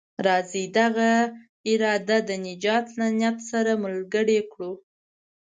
راځئ دغه اراده د نجات له نيت سره ملګرې کړو.